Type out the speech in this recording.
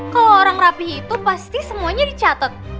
kalo orang rapih itu pasti semuanya dicatet